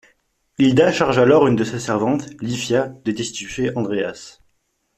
Hilda charge alors une de ses servantes, Lyfia, de destituer Andreas.